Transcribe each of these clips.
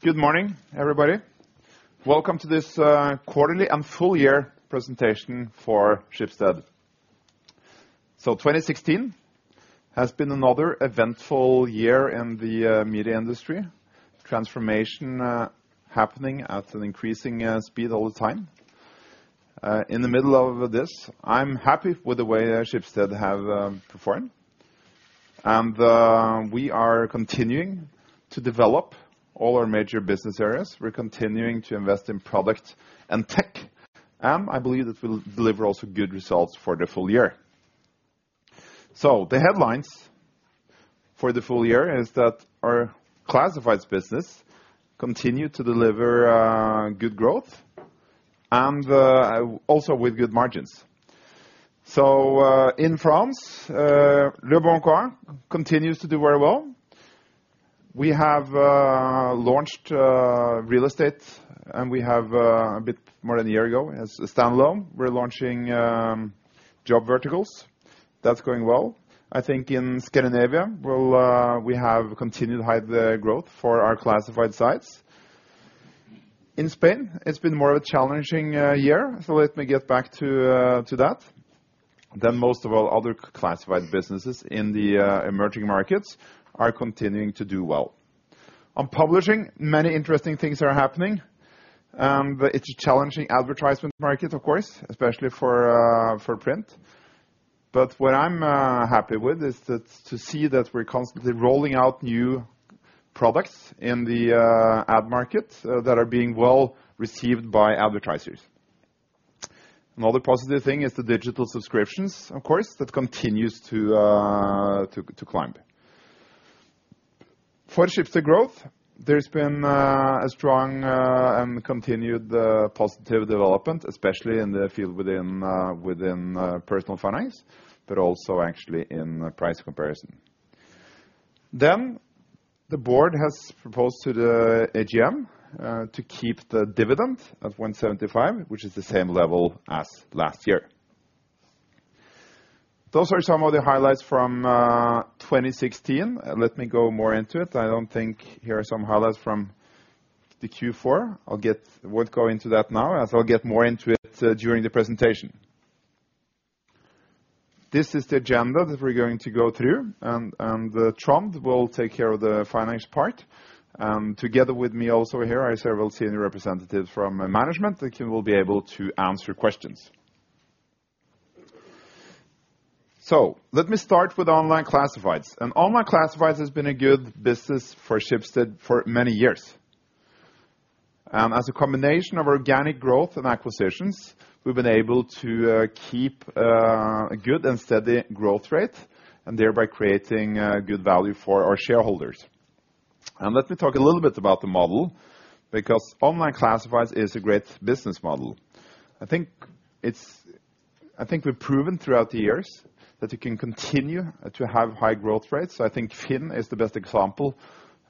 Good morning, everybody. Welcome to this Quarterly and Full-Year presentation for Schibsted. So, 2016 has been another eventful year in the media industry. Transformation happening at an increasing speed all the time. In the middle of this, I'm happy with the way Schibsted have performed. We are continuing to develop all our major business areas. We're continuing to invest in product and tech, and I believe it will deliver also good results for the full year. The headlines for the full year is that our classifieds business continued to deliver good growth and also with good margins. In France, Leboncoin continues to do very well. We have launched real estate, and we have a bit more than a year ago as a standalone. We're launching job verticals. That's going well. I think in Scandinavia we'll we have continued high, the growth for our classified sites. In Spain, it's been more of a challenging year, so let me get back to that. Most of all other classified businesses in the emerging markets are continuing to do well. On publishing, many interesting things are happening, but it's a challenging advertisement market of course, especially for print. What I'm happy with is that to see that we're constantly rolling out new products in the ad market that are being well received by advertisers. Another positive thing is the digital subscriptions, of course, that continues to climb. For Schibsted Growth, there's been a strong and continued positive development, especially in the field within personal finance, but also actually in price comparison. Then the board has proposed to the AGM to keep the dividend of 1.75, which is the same level as last year. Those are some of the highlights from 2016. Let me go more into it. I don't think here are some highlights from the Q4. I won't go into that now, as I'll get more into it during the presentation. This is the agenda that we're going to go through, and Trond will take care of the finance part. Together with me also here are several senior representatives from management, the team will be able to answer questions. Let me start with online classifieds. Online classifieds has been a good business for Schibsted for many years. As a combination of organic growth and acquisitions, we've been able to keep a good and steady growth rate and thereby creating good value for our shareholders. Let me talk a little bit about the model, because online classifieds is a great business model. I think we've proven throughout the years that it can continue to have high growth rates. I think FINN is the best example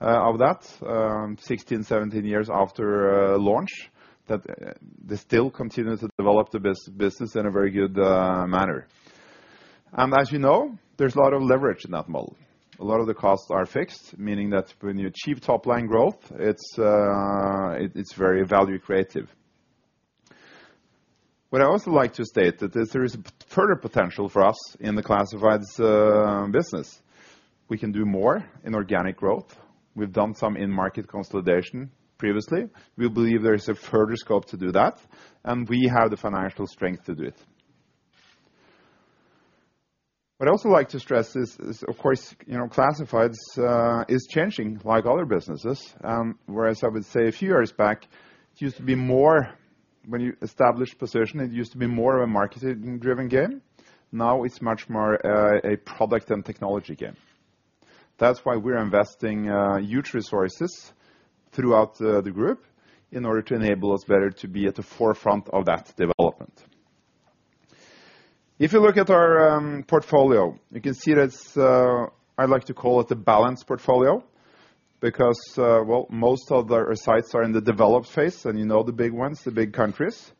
of that, 16, 17 years after launch, that they still continue to develop the business in a very good manner. As you know, there's a lot of leverage in that model. A lot of the costs are fixed, meaning that when you achieve top-line growth, it's very value creative. What I also like to state that there is further potential for us in the classifieds business. We can do more in organic growth. We've done some in-market consolidation previously. We believe there is a further scope to do that and we have the financial strength to do it. What I also like to stress is, of course, you know, classifieds is changing like other businesses, whereas I would say a few years back, it used to be more when you establish position, it used to be more of a marketing-driven game. Now it's much more a product and technology game. That's why we're investing huge resources throughout the group in order to enable us better to be at the forefront of that development. If you look at our portfolio, you can see that I like to call it a balanced portfolio because, well, most of our sites are in the developed phase, and you know the big ones, the big countries.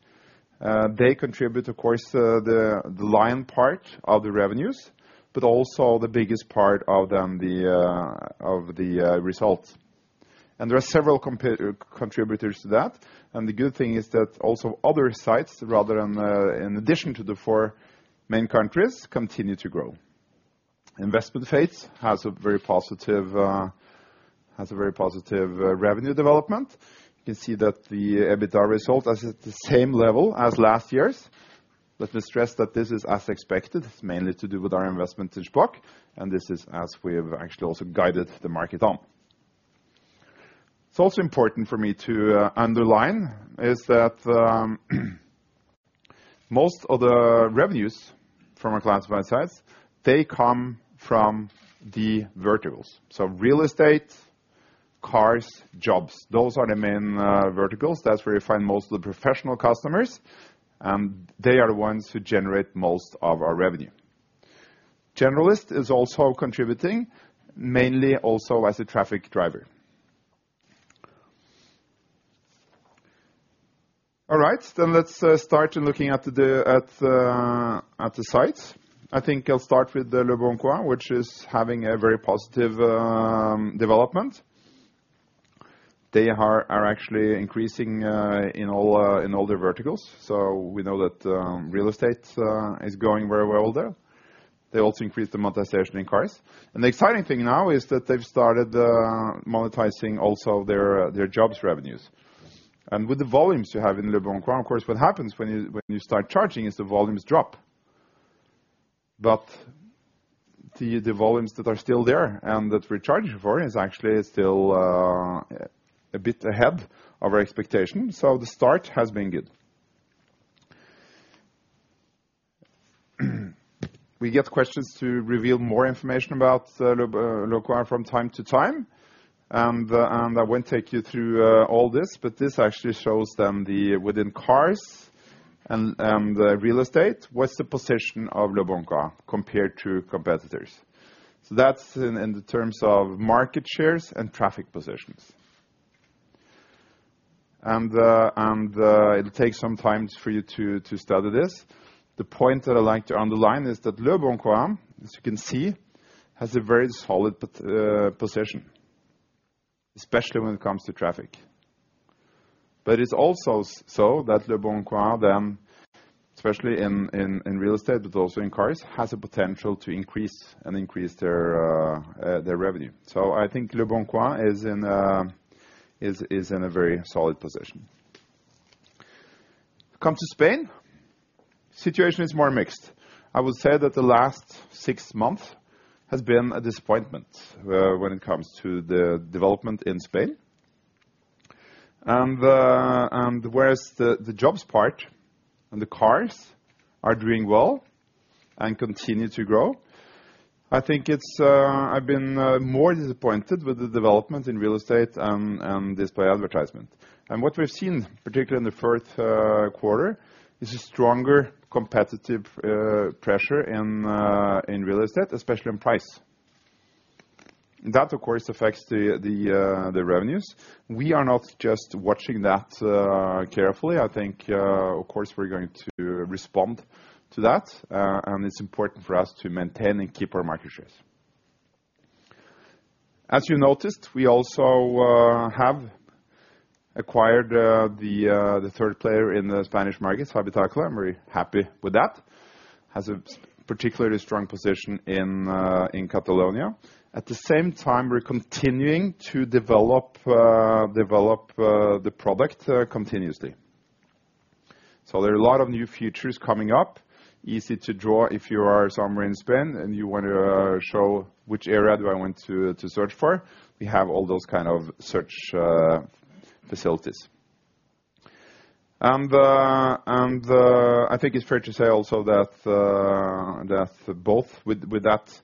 They contribute of course, the lion part of the revenues, but also the biggest part of them, of the results. There are several contributors to that. The good thing is that also other sites, rather than, in addition to the 4 main countries, continue to grow. Investment phase has a very positive revenue development. You can see that the EBITDA result is at the same level as last year's. Let me stress that this is as expected, mainly to do with our investment in Blocket, and this is as we have actually also guided the market on. It's also important for me to underline is that most of the revenues from our classified sites, they come from the verticals. Real estate, cars, jobs, those are the main verticals. That's where you find most of the professional customers, and they are the ones who generate most of our revenue. Generalist is also contributing mainly also as a traffic driver. Let's start looking at the sites. I think I'll start with the leboncoin, which is having a very positive development. They are actually increasing in all in all their verticals, so we know that real estate is going very well there. They also increased the monetization in cars. The exciting thing now is that they've started monetizing also their jobs revenues. With the volumes you have in Leboncoin, of course, what happens when you start charging is the volumes drop. The volumes that are still there and that we're charging for is actually still a bit ahead of our expectation. The start has been good. We get questions to reveal more information about Leboncoin from time to time. I won't take you through all this. This actually shows them the within cars and real estate, what's the position of Leboncoin compared to competitors. That's in the terms of market shares and traffic positions. It takes some time for you to study this. The point that I like to underline is that Leboncoin, as you can see, has a very solid position, especially when it comes to traffic. It's also that Leboncoin, especially in real estate, but also in cars, has a potential to increase and increase their revenue. I think Leboncoin is in a very solid position. Come to Spain, situation is more mixed. I would say that the last six months has been a disappointment when it comes to the development in Spain. Whereas the jobs part and the cars are doing well and continue to grow, I think I've been more disappointed with the development in real estate and display advertisement. What we've seen, particularly in the fourth quarter, is a stronger competitive pressure in real estate, especially on price. That, of course, affects the revenues. We are not just watching that carefully. I think, of course, we're going to respond to that, and it's important for us to maintain and keep our market shares. As you noticed, we also have acquired the third player in the Spanish markets, Habitaclia, I'm very happy with that, has a particularly strong position in Catalonia. At the same time, we're continuing to develop the product continuously. There are a lot of new features coming up. Easy to draw if you are somewhere in Spain, and you want to show which area do I want to search for. We have all those kind of search facilities. I think it's fair to say also that both with that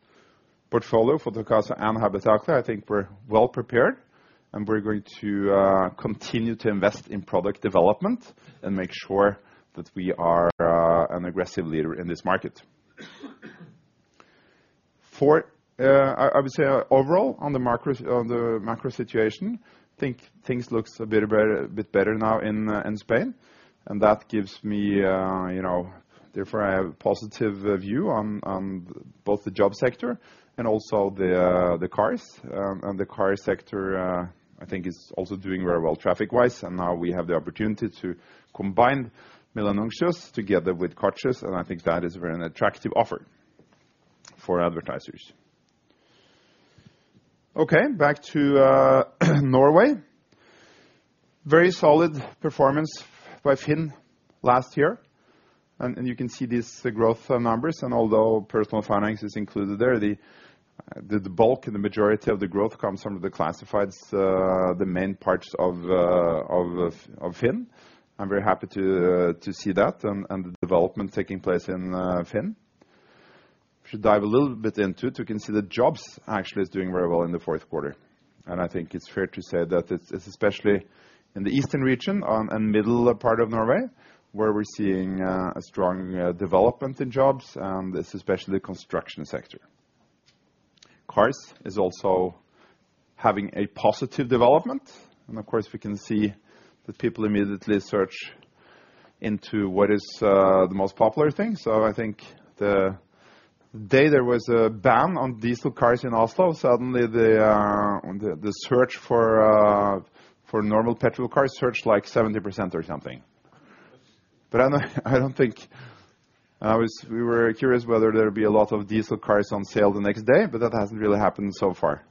portfolio Fotocasa and Habitaclia, I think we're well prepared and we're going to continue to invest in product development and make sure that we are an aggressive leader in this market. I would say overall on the micro situation, think things looks a bit better now in Spain, and that gives me, you know, therefore I have a positive view on both the job sector and also the cars. The car sector, I think is also doing very well traffic wise, now we have the opportunity to combine Milanuncios together with Coches.net, and I think that is a very attractive offer for advertisers. Okay, back to Norway. Very solid performance by FINN last year, and you can see these, the growth numbers, although personal finance is included there, the bulk and the majority of the growth comes from the classifieds, the main parts of FINN. I'm very happy to see that and the development taking place in FINN. Should dive a little bit into it. You can see that jobs actually is doing very well in the fourth quarter. I think it's fair to say that it's especially in the eastern region and middle part of Norway where we're seeing a strong development in jobs, and it's especially construction sector. Cars is also having a positive development. Of course, we can see that people immediately search into what is the most popular thing. I think the day there was a ban on diesel cars in Oslo, suddenly the search for for normal petrol cars searched like 70% or something. I don't think we were curious whether there'd be a lot of diesel cars on sale the next day, but that hasn't really happened so far.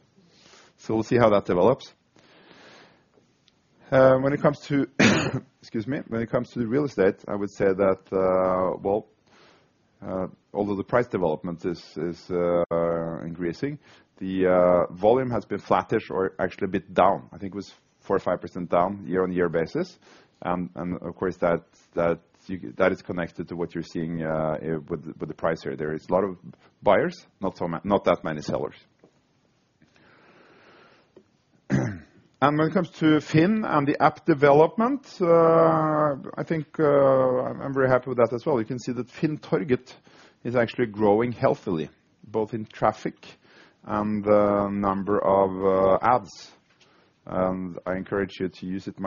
We'll see how that develops. When it comes to real estate, I would say that, well, although the price development is increasing, the volume has been flattish or actually a bit down. I think it was 4 or 5% down year-on-year basis. Of course, that is connected to what you're seeing with the price here. There is a lot of buyers, not that many sellers. When it comes to FINN and the app development, I think I'm very happy with that as well. You can see that FINN Torget is actually growing healthily. Both in traffic and the number of ads. I encourage you to use it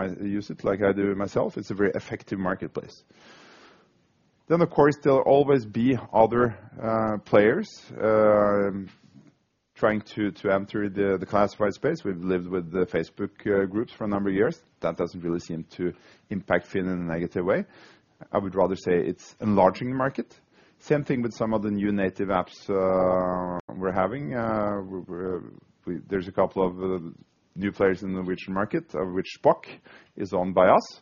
like I do it myself. It's a very effective marketplace. Of course, there'll always be other players trying to enter the classified space. We've lived with the Facebook groups for a number of years. That doesn't really seem to impact FINN in a negative way. I would rather say it's enlarging the market. Same thing with some of the new native apps we're having. We're, there's a couple of new players in the Norwegian market, of which Shpock is owned by us.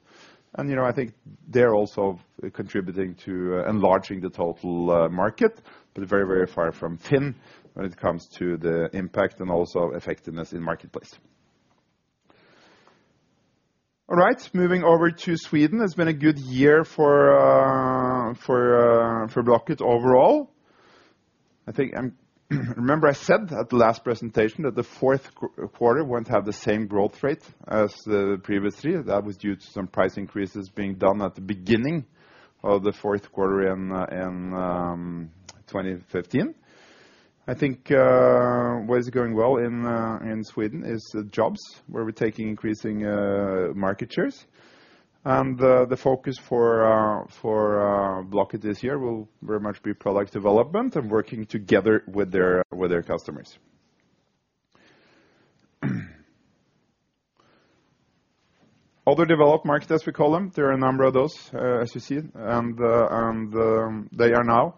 You know, I think they're also contributing to enlarging the total market, but very, very far from FINN when it comes to the impact and also effectiveness in marketplace. All right, moving over to Sweden. It's been a good year for for Blocket overall. I think I'm... Remember I said at the last presentation that the fourth quarter won't have the same growth rate as the previous three. That was due to some price increases being done at the beginning of the fourth quarter in 2015. I think, what is going well in Sweden is the jobs, where we're taking increasing market shares. The focus for Blocket this year will very much be product development and working together with their customers. Other developed markets, as we call them, there are a number of those, as you see. They are now,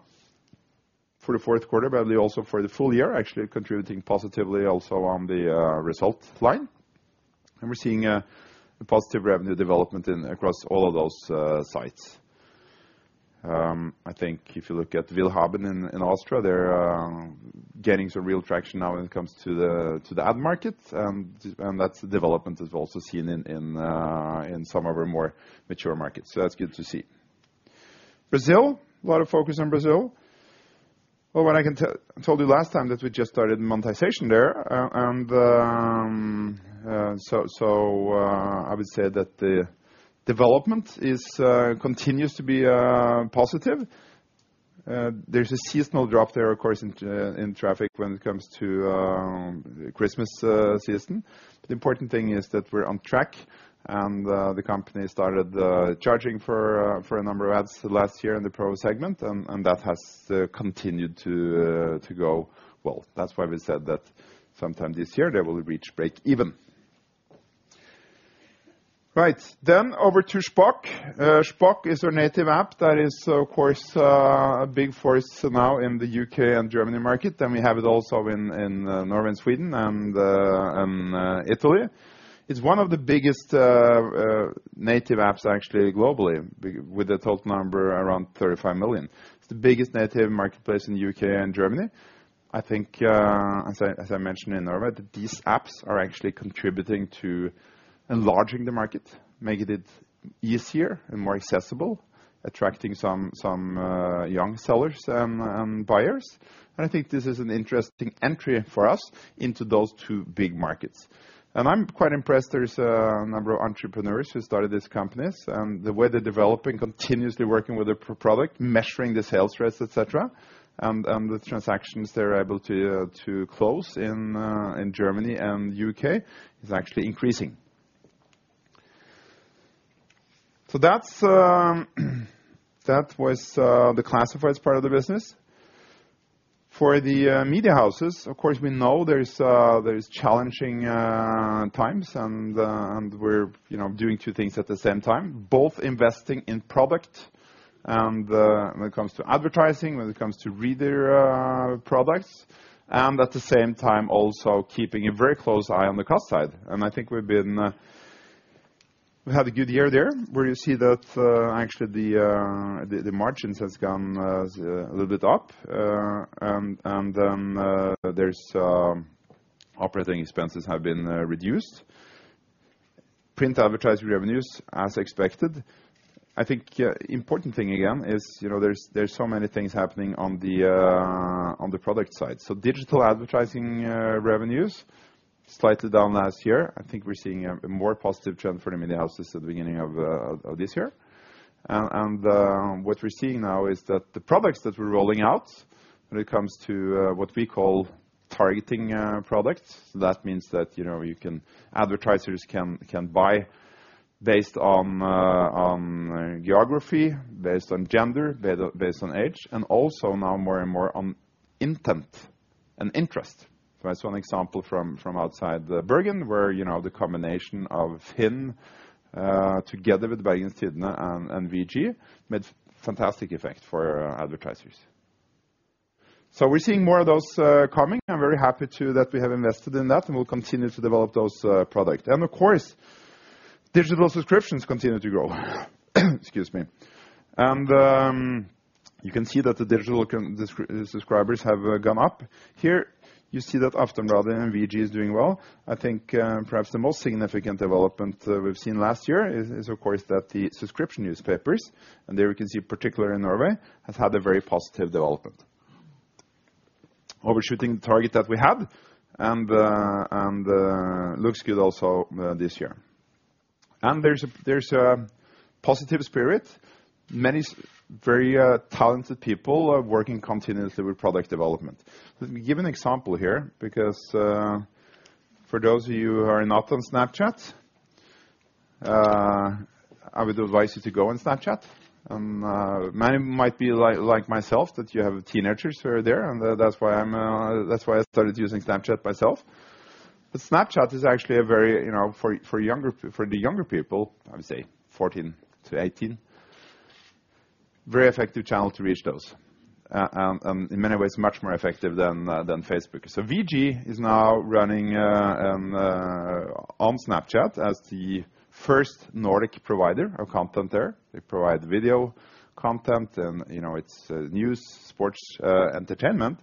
for the fourth quarter, but also for the full year, actually contributing positively also on the result line. We're seeing a positive revenue development in across all of those sites. I think if you look at Willhaben in Austria, they're getting some real traction now when it comes to the ad market, and that development is also seen in some of our more mature markets. That's good to see. Brazil, a lot of focus on Brazil. Well, what I can tell... I told you last time that we just started monetization there. I would say that the development is continues to be positive. There's a seasonal drop there, of course, in traffic when it comes to Christmas season. The important thing is that we're on track, and the company started charging for a number of ads last year in the pro segment, and that has continued to go well. That's why we said that sometime this year, they will reach break even. Right. Then, over to Shpock. Shpock is our native app that is, of course, a big force now in the U.K. and Germany market. We have it also in Norway and Sweden and Italy. It's one of the biggest native apps actually globally with a total number around 35 million. It's the biggest native marketplace in the U.K. and Germany. I think, as I mentioned in Norway, these apps are actually contributing to enlarging the market, making it easier and more accessible, attracting some young sellers and buyers. I think this is an interesting entry for us into those two big markets. I'm quite impressed there's a number of entrepreneurs who started these companies and the way they're developing, continuously working with the product, measuring the sales rates, et cetera. The transactions they're able to close in Germany and U.K. is actually increasing. That's that was the classifieds part of the business. For the media houses, of course, we know there's challenging times and we're, you know, doing two things at the same time, both investing in product and when it comes to advertising, when it comes to reader products, and at the same time, also keeping a very close eye on the cost side. I think we've been... We had a good year there, where you see that, actually the margins has come a little bit up. There's operating expenses have been reduced. Print advertising revenues as expected. I think, important thing again is, you know, there's so many things happening on the product side. Digital advertising revenues slightly down last year. I think we're seeing a more positive trend for the media houses at the beginning of this year. What we're seeing now is that the products that we're rolling out when it comes to what we call targeting products. That means that, you know, you can... Advertisers can buy based on geography, based on gender, based on age, and also now more and more on intent and interest. That's one example from outside Bergen, where, you know, the combination of FINN together with Bergens Tidende and VG made fantastic effect for advertisers. We're seeing more of those coming. I'm very happy too that we have invested in that, and we'll continue to develop those product. Of course, digital subscriptions continue to grow. You can see that the digital subscribers have gone up. Here you see that Aftenbladet and VG is doing well. I think perhaps the most significant development we've seen last year is of course that the subscription newspapers, and there we can see particularly in Norway, has had a very positive development. Overshooting the target that we have, looks good also this year. There's a positive spirit. Many very talented people are working continuously with product development. Let me give an example here because for those of you who are not on Snapchat, I would advise you to go on Snapchat. Many might be like myself that you have teenagers who are there and that's why I started using Snapchat myself. Snapchat is actually a very, you know, for the younger people, I would say 14-18, very effective channel to reach those. In many ways, much more effective than Facebook. VG is now running on Snapchat as the first Nordic provider of content there. They provide video content and, you know, it's news, sports, entertainment.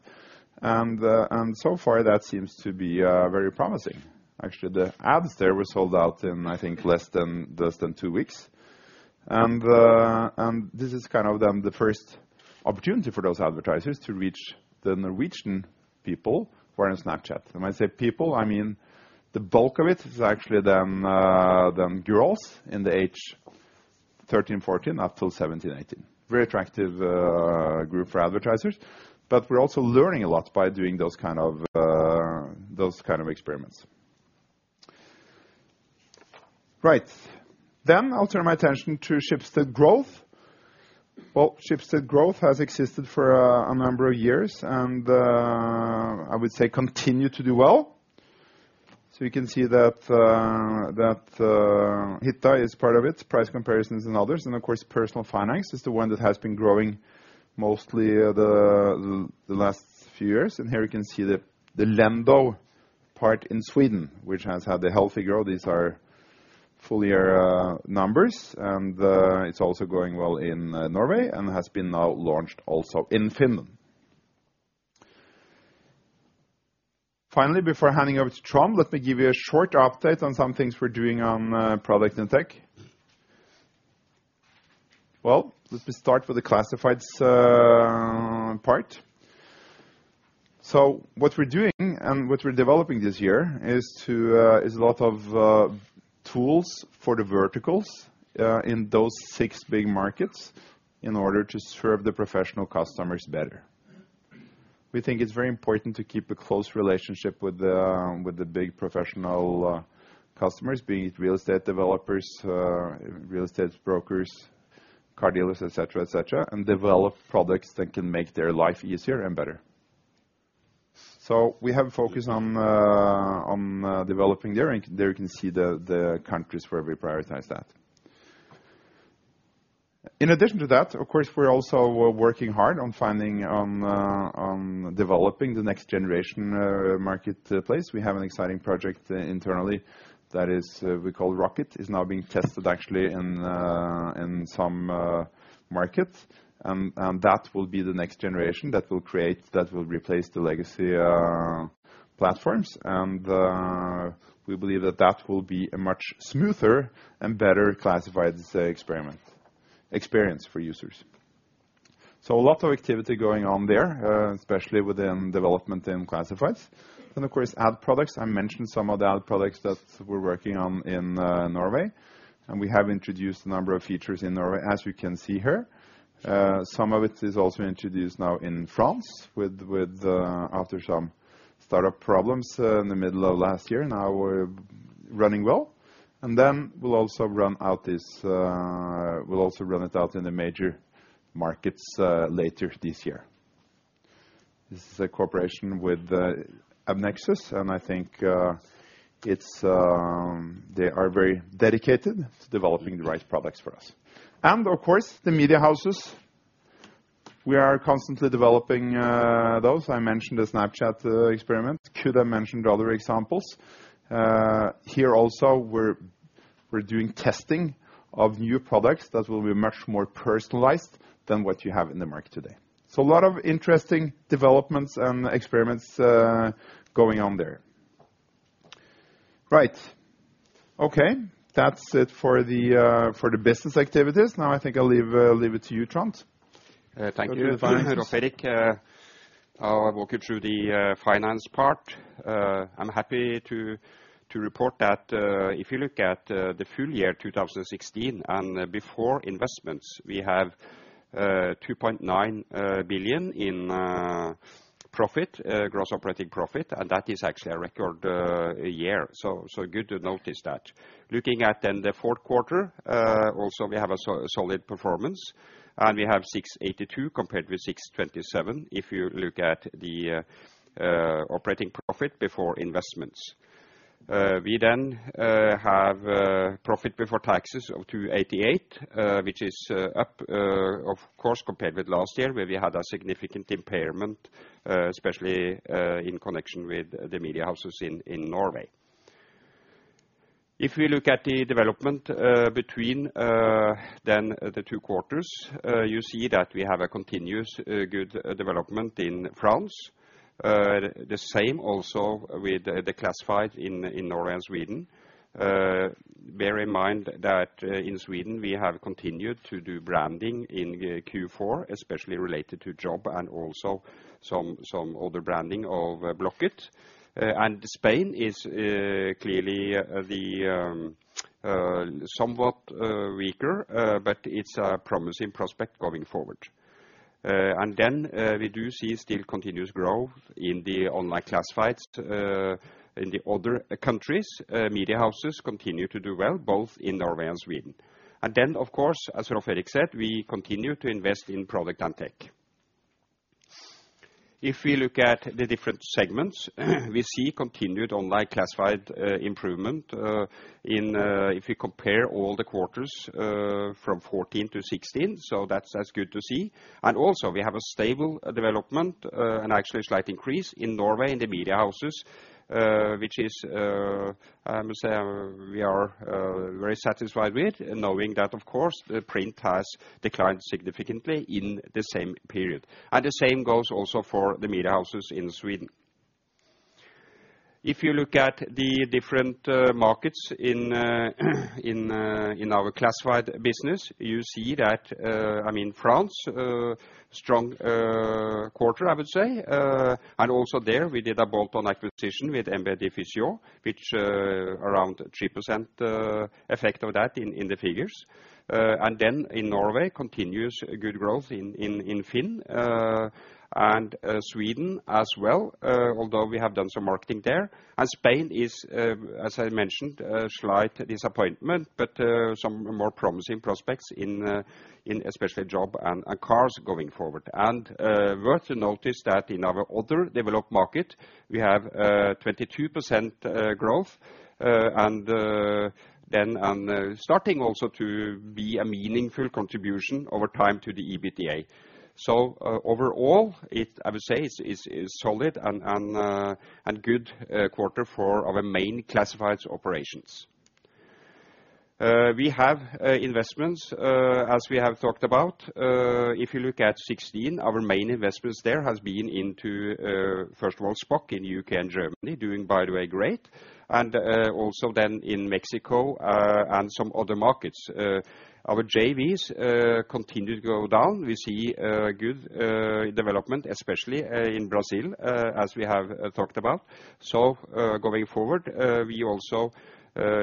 So far that seems to be very promising. Actually, the ads there were sold out in, I think, less than 2 weeks. This is kind of then the first opportunity for those advertisers to reach the Norwegian people who are on Snapchat. When I say people, I mean the bulk of it is actually them girls in the age 13, 14 up till 17, 18. Very attractive group for advertisers. We're also learning a lot by doing those kind of those kind of experiments. Right. I'll turn my attention to Schibsted Growth. Well, Schibsted Growth has existed for a number of years and I would say continue to do well. You can see that Hitta.se is part of it, price comparisons and others. Of course, personal finance is the one that has been growing mostly the last few years. Here you can see the Lendo part in Sweden, which has had a healthy growth. These are full year numbers, and it's also going well in Norway and has been now launched also in Finland. Finally, before handing over to Trond, let me give you a short update on some things we're doing on product and tech. Well, let me start with the classifieds part. What we're doing and what we're developing this year is a lot of tools for the verticals in those 6 big markets in order to serve the professional customers better. We think it's very important to keep a close relationship with the big professional customers, be it real estate developers, real estate brokers, car dealers, et cetera, et cetera, and develop products that can make their life easier and better. We have focus on developing there, and there you can see the countries where we prioritize that. In addition to that, of course, we're also working hard on finding on developing the next generation marketplace. We have an exciting project internally that is we call Rocket. It's now being tested actually in some markets. That will be the next generation that will replace the legacy platforms. We believe that that will be a much smoother and better classifieds experience for users. A lot of activity going on there, especially within development in classifieds. Of course, ad products. I mentioned some of the ad products that we're working on in Norway. We have introduced a number of features in Norway, as you can see here. Some of it is also introduced now in France with after some startup problems in the middle of last year. Now we're running well. We'll also run out this, we'll also run it out in the major markets later this year. This is a cooperation with AppNexus, and I think it's they are very dedicated to developing the right products for us. Of course, the media houses, we are constantly developing those. I mentioned the Snapchat experiment. Kjetil mentioned other examples. Here also we're doing testing of new products that will be much more personalized than what you have in the market today. A lot of interesting developments and experiments going on there. Right. Okay. That's it for the business activities. I think I'll leave it to you, Trond. Thank you. Over to finance. Thank you, Rolv Erik. I'll walk you through the finance part. I'm happy to report that, if you look at the full year 2016 and before investments, we have 2.9 billion in profit, gross operating profit. That is actually a record year. Good to notice that. Looking at then the fourth quarter, also we have a solid performance, and we have 682 million compared with 627 million, if you look at the operating profit before investments. We then have profit before taxes of 288 million, which is up, of course, compared with last year where we had a significant impairment, especially in connection with the media houses in Norway. If we look at the development between then the two quarters, you see that we have a continuous good development in France. The same also with the classified in Norway and Sweden. Bear in mind that in Sweden, we have continued to do branding in Q4, especially related to job and also some other branding of Blocket. Spain is clearly the somewhat weaker, but it's a promising prospect going forward. We do see still continuous growth in the online classifieds in the other countries. Media houses continue to do well both in Norway and Sweden. Of course, as Rolv Erik said, we continue to invest in product and tech. If we look at the different segments, we see continued online classified improvement in if you compare all the quarters from 2014 to 2016, so that's good to see. Also we have a stable development and actually a slight increase in Norway in the media houses. Which is, I must say we are very satisfied with knowing that, of course, the print has declined significantly in the same period. The same goes also for the media houses in Sweden. If you look at the different markets in our classified business, you see that, I mean, France, strong quarter, I would say. Also there, we did a bolt-on acquisition with MB Diffusion, which around 3% effect of that in the figures. Then in Norway continues good growth in FINN, and Sweden as well, although we have done some marketing there. Spain is, as I mentioned, a slight disappointment but some more promising prospects in especially job and cars going forward. Worth to notice that in our other developed market, we have 22% growth, and starting also to be a meaningful contribution over time to the EBITDA. Overall, I would say is solid and good quarter for our main classifieds operations. We have investments as we have talked about. If you look at 2016, our main investments there has been into, first of all, Shpock in U.K. and Germany, doing by the way, great, and also then in Mexico, and some other markets. Our JVs continue to go down. We see good development, especially in Brazil, as we have talked about. Going forward, we also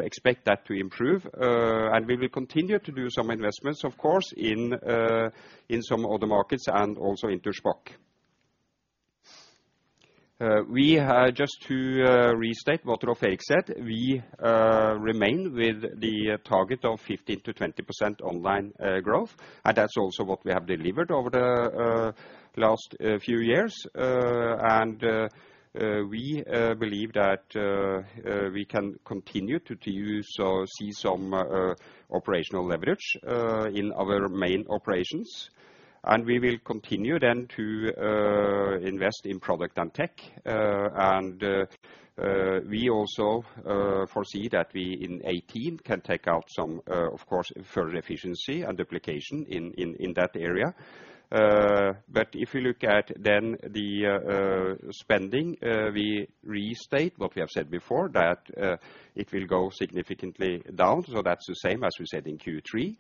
expect that to improve, and we will continue to do some investments, of course, in some other markets and also into Shpock. We have, just to restate what Rolv Erik said, we remain with the target of 15%-20% online growth, and that's also what we have delivered over the last few years. We believe that we can continue to use some operational leverage in our main operations. We will continue then to invest in product and tech. We also foresee that we in 2018 can take out some, of course, further efficiency and duplication in that area. If you look at then the spending, we restate what we have said before that it will go significantly down. That's the same as we said in Q3.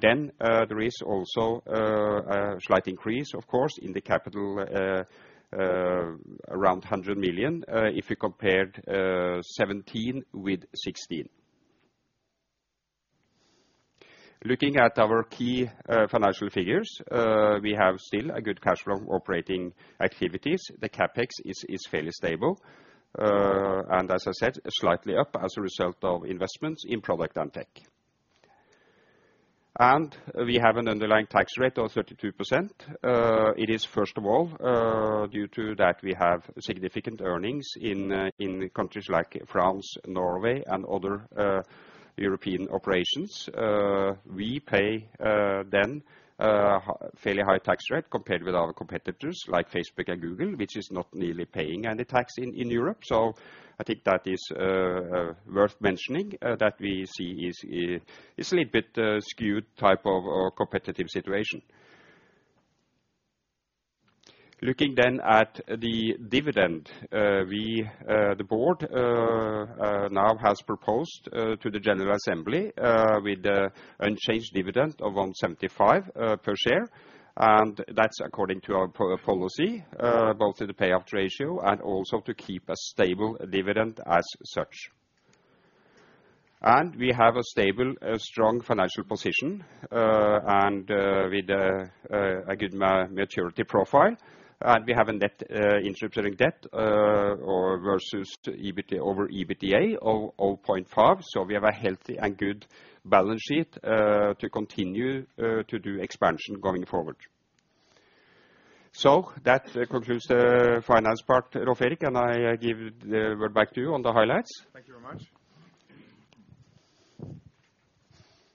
There is also a slight increase of course in the capital, around 100 million, if you compared 2017 with 2016. Looking at our key financial figures, we have still a good cash flow operating activities. The CapEx is fairly stable. As I said, slightly up as a result of investments in product and tech. We have an underlying tax rate of 32%. It is first of all, due to that we have significant earnings in countries like France, Norway and other European operations. We pay then fairly high tax rate compared with our competitors like Facebook and Google, which is not nearly paying any tax in Europe. I think that is worth mentioning that we see is a little bit skewed type of a competitive situation. Looking then at the dividend, we, the board, now has proposed to the general assembly with unchanged dividend of 1.75 per share, and that's according to our policy, both to the payout ratio and also to keep a stable dividend as such. We have a stable, strong financial position, and with a good maturity profile. We have a net interest during debt, or versus to EBT, over EBITDA of 0.5. We have a healthy and good balance sheet to continue to do expansion going forward. That concludes the finance part, Rolv Erik, and I give the word back to you on the highlights. Thank you very much.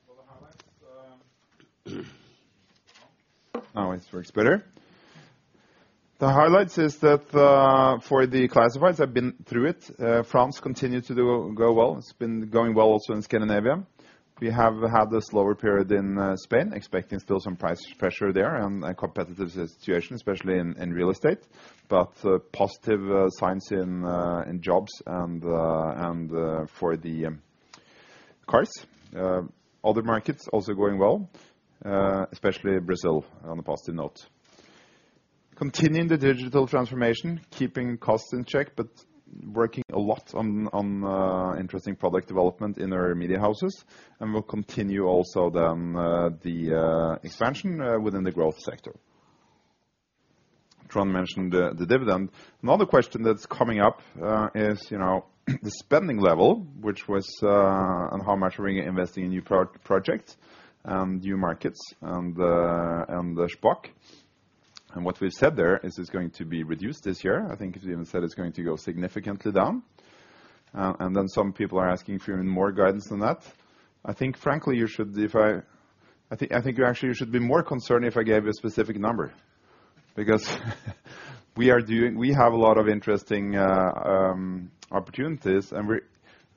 For the highlights. Now it works better. The highlights is that for the classifieds, I've been through it, France continued to go well. It's been going well also in Scandinavia. We have had a slower period in Spain, expecting still some price pressure there and competitive situation, especially in real estate, but positive signs in jobs and for the cars. Other markets also going well, especially Brazil on a positive note. Continuing the digital transformation, keeping costs in check, but working a lot on interesting product development in our media houses. We'll continue also then the expansion within the growth sector. Trond mentioned the dividend. Another question that's coming up is, you know, the spending level, which was... On how much we're investing in new projects, new markets and the Shpock. What we've said there is it's going to be reduced this year. I think as you even said, it's going to go significantly down and then some people are asking for even more guidance than that. I think frankly, you should. If I. I think you actually should be more concerned if I gave a specific number. We have a lot of interesting opportunities and we're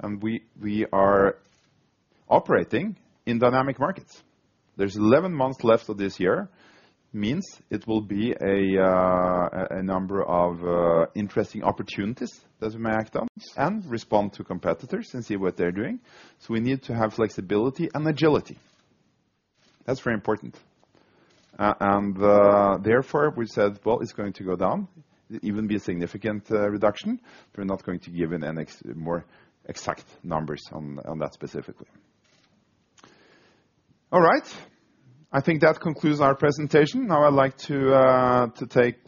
and we are operating in dynamic markets. There's 11 months left of this year, means it will be a number of interesting opportunities that we may act on and respond to competitors and see what they're doing. We need to have flexibility and agility. That's very important. Therefore, we said, well, it's going to go down, even be a significant reduction. We're not going to give any more exact numbers on that specifically. Alright, I think that concludes our presentation. I'd like to take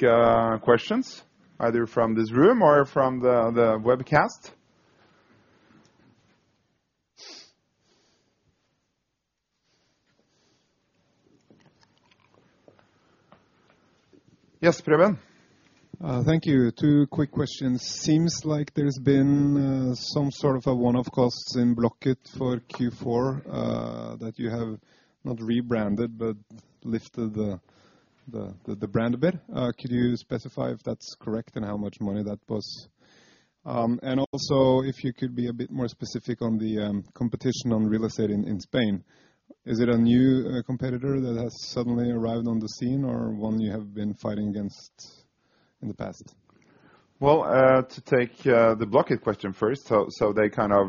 questions either from this room or from the webcast. Yes, Preben. Thank you. Two quick questions. Seems like there's been some sort of a one-off costs in Blocket for Q4 that you have not rebranded, but lifted the brand a bit. Could you specify if that's correct and how much money that was? Also if you could be a bit more specific on the competition on real estate in Spain. Is it a new competitor that has suddenly arrived on the scene or one you have been fighting against in the past? Well to take, the Blocket question first. So they kind of,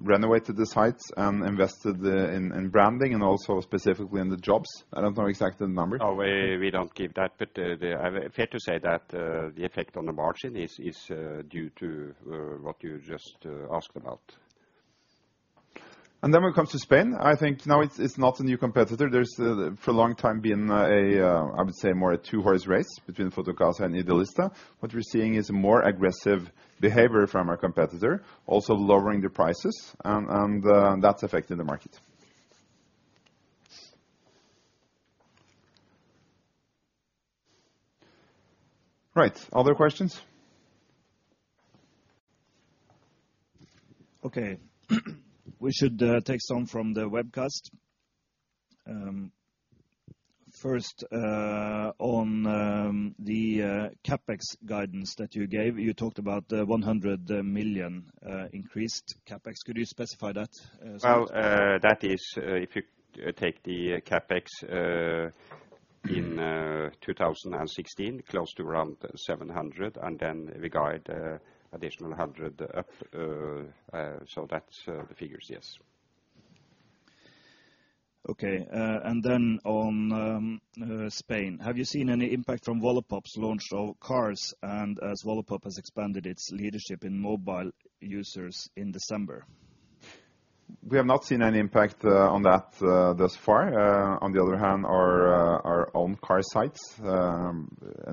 renovated the sites and invested in branding and also specifically in the jobs. I don't know exact numbers. We don't give that, but fair to say that the effect on the margin is due to what you just asked about. When it comes to Spain, I think now it's not a new competitor. There's for a long time been a, I would say more a two-horse race between Fotocasa and Idealista. What we're seeing is more aggressive behavior from our competitor, also lowering the prices and that's affecting the market. Right. Other questions? Okay. We should take some from the webcast. First, on the CapEx guidance that you gave. You talked about 100 million increased CapEx. Could you specify that? That is, if you take the CapEx in 2016, close to around 700, and then we guide additional 100 up, so that's the figures, yes. Okay, on Spain, have you seen any impact from Wallapop's launch of cars and as Wallapop has expanded its leadership in mobile users in December? We have not seen any impact on that thus far. On the other hand, our own car sites in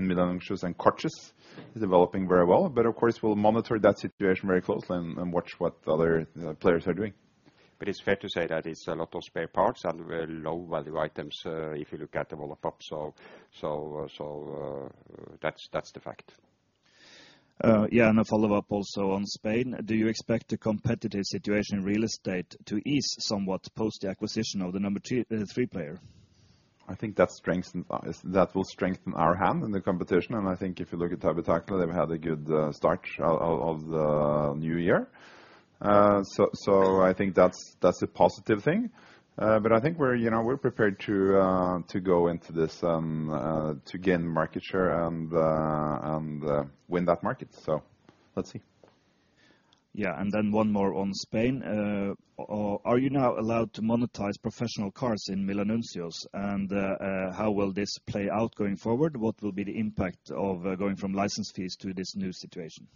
Milanuncios and Coches.net Is developing very well. Of course, we'll monitor that situation very closely and watch what other players are doing. It's fair to say that it's a lot of spare parts and very low value items, if you look at the Wallapop. That's the fact. Yeah, a follow-up also on Spain. Do you expect the competitive situation in real estate to ease somewhat post the acquisition of the number two, three player? I think that will strengthen our hand in the competition. I think if you look at Habitaclia, they've had a good start of the new year. I think that's a positive thing. I think we're, you know, we're prepared to go into this to gain market share and win that market. Let's see. Yeah. Then one more on Spain. Are you now allowed to monetize professional cars in Milanuncios? How will this play out going forward? What will be the impact of going from license fees to this new situation?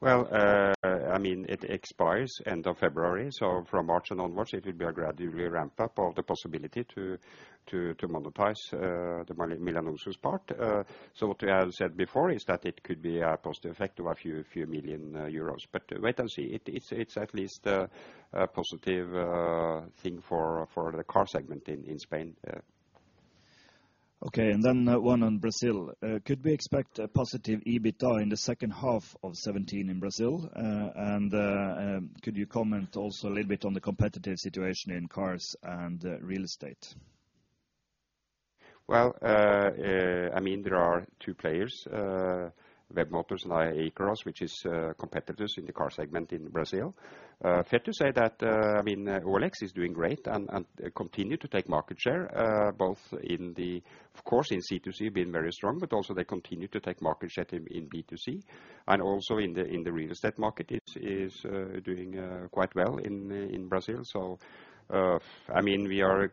Well, I mean, it expires end of February. From March and onwards, it will be a gradually ramp up of the possibility to monetize the Milanuncios part. What we have said before is that it could be a positive effect of a few million EUR. Wait and see. It's at least a positive thing for the car segment in Spain. Yeah. Okay. Then one on Brazil. Could we expect a positive EBITA in the second half of 2017 in Brazil? Could you comment also a little bit on the competitive situation in cars and real estate? Well, I mean, there are two players, WebMotors and iCarros, which is competitors in the car segment in Brazil. Fair to say that, I mean, OLX is doing great and continue to take market share, both in the... Of course, in C2C, been very strong, but also they continue to take market share in B2C, and also in the real estate market, is doing quite well in Brazil. I mean, we are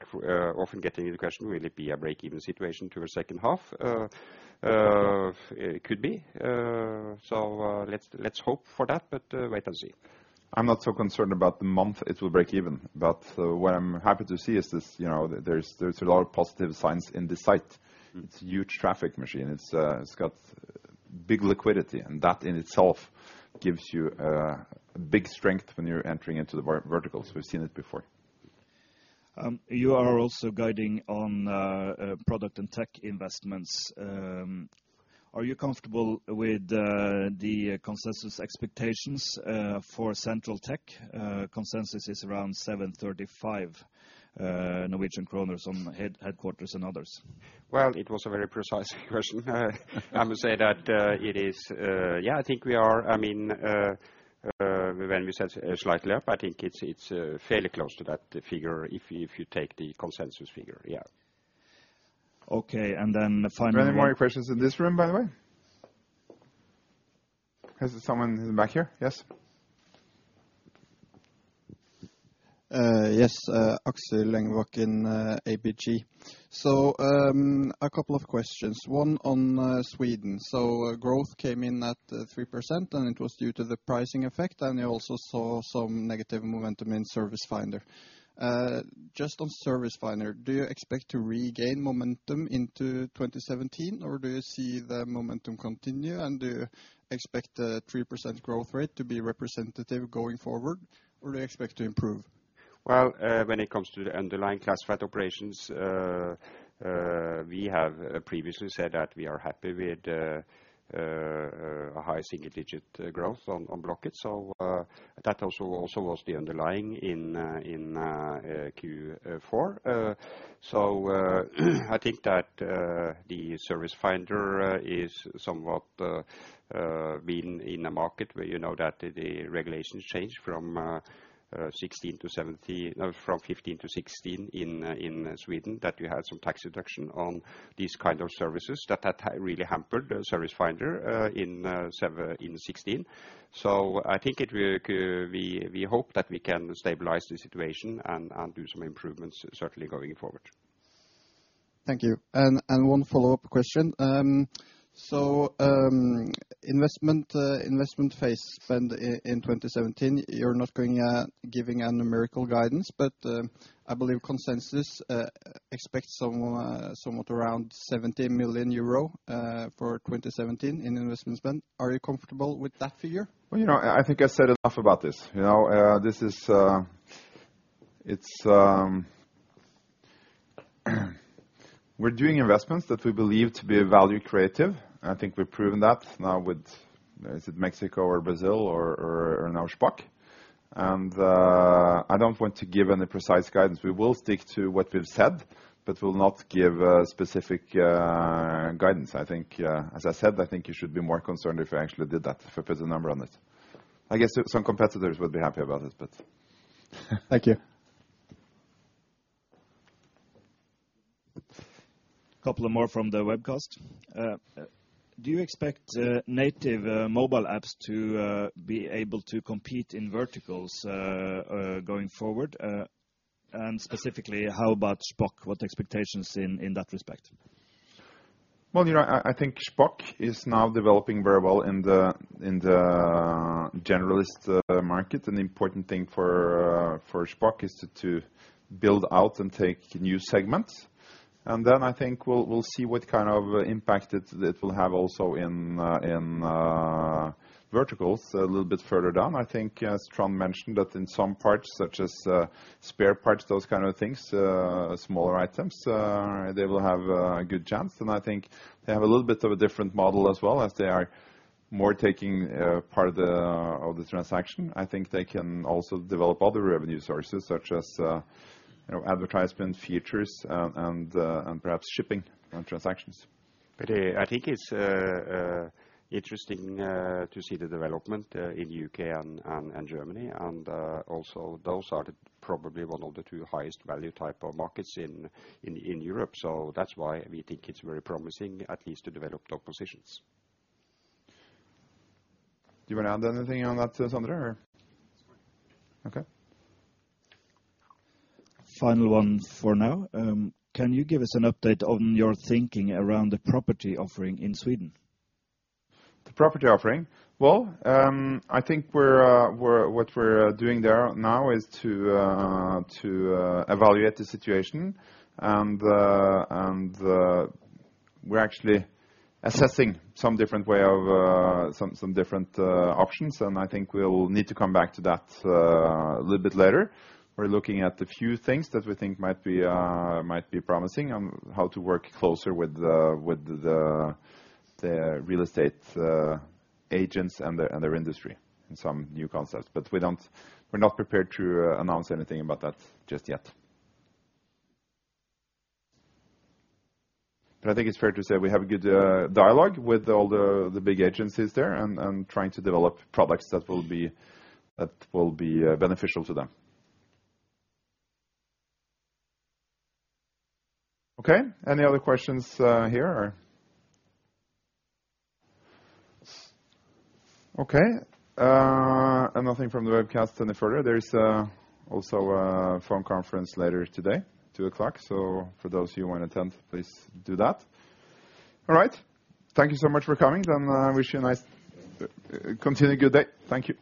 often getting the question, will it be a break-even situation to the second half? It could be. Let's hope for that, but wait and see. I'm not so concerned about the month it will break even. What I'm happy to see is this, you know, there's a lot of positive signs in this site. It's huge traffic machine. It's got big liquidity, that in itself gives you big strength when you're entering into the vertical. We've seen it before. You are also guiding on product and tech investments. Are you comfortable with the consensus expectations for central tech? Consensus is around 735 Norwegian kroner on headquarters and others. It was a very precise question. I would say that it is yeah, I think we are. I mean, when we said slightly up, I think it's fairly close to that figure if you take the consensus figure. Yeah. Okay. Is there any more questions in this room, by the way? There's someone in the back here. Yes? Yes. Axel Lengvåg in ABG. A couple of questions, one on Sweden. Growth came in at 3%, and it was due to the pricing effect, and you also saw some negative momentum in ServiceFinder. Just on ServiceFinder, do you expect to regain momentum into 2017, or do you see the momentum continue? Do you expect a 3% growth rate to be representative going forward, or do you expect to improve? Well, when it comes to the underlying classified operations, we have previously said that we are happy with a high single-digit growth on Blocket. That also was the underlying in Q4. I think that the ServiceFinder is somewhat been in a market where you know that the regulation change from 15 to 16 in Sweden, that we had some tax deduction on these kind of services that had really hampered ServiceFinder in 16. I think it will we hope that we can stabilize the situation and do some improvements certainly going forward. Thank you. One follow-up question. Investment phase spend in 2017, you're not giving a numerical guidance, but I believe consensus expects some somewhat around 70 million euro for 2017 in investment spend. Are you comfortable with that figure? Well, you know, I think I said enough about this. You know, we're doing investments that we believe to be value creative. I think we've proven that now with, is it Mexico or Brazil or now Shpock. I don't want to give any precise guidance. We will stick to what we've said, but we'll not give specific guidance. I think, as I said, I think you should be more concerned if I actually did that, if I put a number on it. I guess some competitors would be happy about it. Thank you. Couple of more from the webcast. Do you expect native mobile apps to be able to compete in verticals going forward? Specifically, how about Shpock? What expectations in that respect? Well, you know, I think Shpock is now developing very well in the generalist market. An important thing for Shpock is to build out and take new segments. I think we'll see what kind of impact it will have also in verticals a little bit further down. I think as Trond mentioned that in some parts, such as spare parts, those kind of things, smaller items, they will have good chance. I think they have a little bit of a different model as well as they are more taking part of the transaction. I think they can also develop other revenue sources such as, you know, advertisement features and perhaps shipping transactions. I think it's interesting to see the development in U.K. and Germany. Also those are probably one of the two highest value type of markets in Europe. That's why we think it's very promising, at least to develop top positions. Do you wanna add anything on that, Sondre? That's fine. Okay. Final one for now. Can you give us an update on your thinking around the property offering in Sweden? The property offering? Well, I think what we're doing there now is to evaluate the situation. We're actually assessing some different way of, some different options, and I think we'll need to come back to that a little bit later. We're looking at a few things that we think might be promising on how to work closer with the real estate agents and their industry and some new concepts. We're not prepared to announce anything about that just yet. I think it's fair to say we have a good dialogue with all the big agencies there and trying to develop products that will be beneficial to them. Okay, any other questions here? Okay. Nothing from the webcast any further. There's also a phone conference later today, 2:00 P.M. For those who want to attend, please do that. All right. Thank you so much for coming, and wish you a nice continue good day. Thank you.